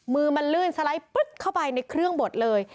มือมันลื่นสไลด์ปึ๊ดเข้าไปในเครื่องบดเลย